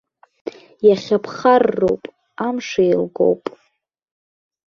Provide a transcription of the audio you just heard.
Иахьа ԥхарроуп, амш еилгоуп.